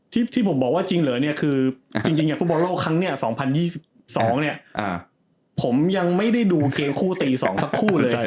ที่ผมบอกว่าจริงเหรอเนี่ยคือจริงอย่างฟุตบอลโลกครั้งนี้๒๐๒๒เนี่ยผมยังไม่ได้ดูเกมคู่ตี๒สักคู่เลย